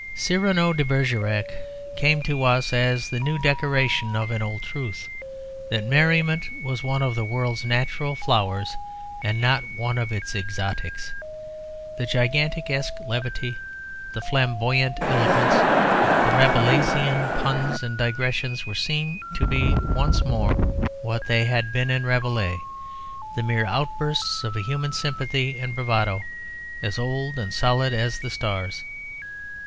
"Cyrano de Bergerac" came to us as the new decoration of an old truth, that merriment was one of the world's natural flowers, and not one of its exotics. The gigantesque levity, the flamboyant eloquence, the Rabelaisian puns and digressions were seen to be once more what they had been in Rabelais, the mere outbursts of a human sympathy and bravado as old and solid as the stars.